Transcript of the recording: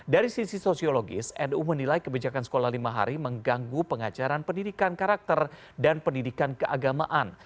dari sisi sosiologis nu menilai kebijakan sekolah lima hari mengganggu pengajaran pendidikan karakter dan pendidikan keagamaan